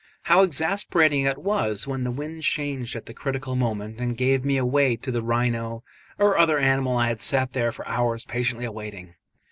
How exasperating it was, when the wind changed at the critical moment, and gave me away to the rhino or other animal I had sat there for hours patiently awaiting!